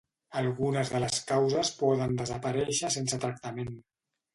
Algunes de les causes poden desaparéixer sense tractament.